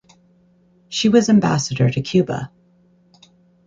She was ambassador to Cuba.